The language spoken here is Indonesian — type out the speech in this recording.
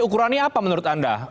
ukurannya apa menurut anda